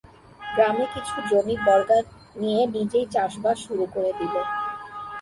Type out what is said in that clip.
গ্রামে কিছু জমি বর্গা নিয়ে নিজেই চাষ বাস শুরু করে দিল।